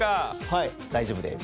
はい大丈夫です。